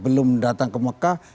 belum datang ke mekah